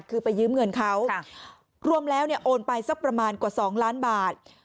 คือไปยืมเงินเขารวมแล้วเนี่ยโอนไปสักประมาณกว่า๒ล้านบาท